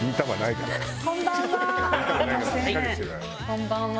こんばんは！